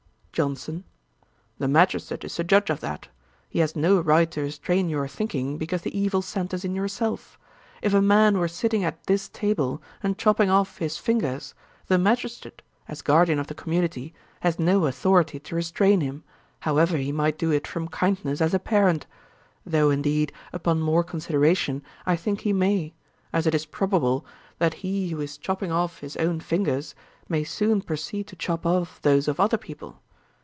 JOHNSON. 'The magistrate is to judge of that. He has no right to restrain your thinking, because the evil centers in yourself. If a man were sitting at this table, and chopping off his fingers, the magistrate, as guardian of the community, has no authority to restrain him, however he might do it from kindness as a parent. Though, indeed, upon more consideration, I think he may; as it is probable, that he who is chopping off his own fingers, may soon proceed to chop off those of other people.